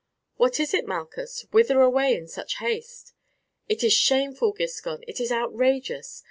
"What is it, Malchus, whither away in such haste?" "It is shameful, Giscon, it is outrageous.